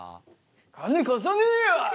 金貸さねえよ！